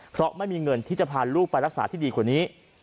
เพราะไม่มีเงินที่จะพาลูกไปรักษาที่ดีกว่านี้